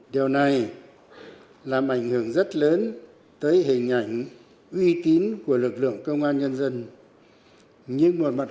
điều này làm ảnh hưởng rất lớn tới hình ảnh uy tín của lực lượng công an nhân dân nhưng một mặt